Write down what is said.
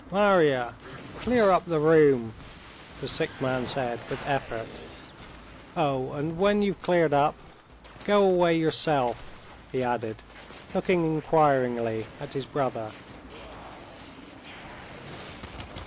Marya! clear up the room," the sick man said with effort. "Oh, and when you've cleared up, go away yourself," he added, looking inquiringly at his brother.